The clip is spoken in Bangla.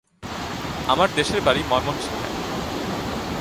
আমার দেশের বাড়ি ময়মনসিংহে।